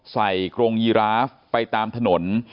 กรงยีราฟไปตามถนน